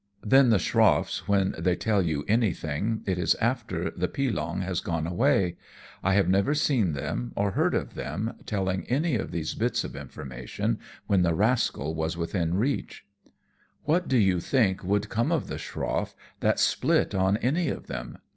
Then the schroffs, when they tell you anything, it is after the pilong has gone PIRATICAL LORCHAS. 109 away ; I have never seen them, or heard of them, telling any of these bits of information when the rascal was within reach/' " What do you think would come of the schroff that split on any of them